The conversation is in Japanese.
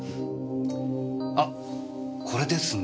あっこれですね。